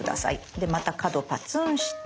でまた角パツンして。